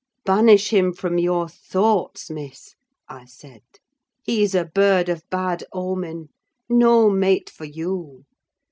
"Banish him from your thoughts, Miss," I said. "He's a bird of bad omen: no mate for you.